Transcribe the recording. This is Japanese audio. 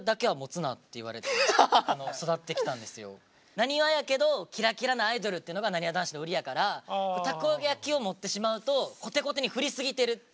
なにわやけどキラキラなアイドルっていうのがなにわ男子の売りやからたこ焼きを持ってしまうとコテコテに振りすぎてるってなって。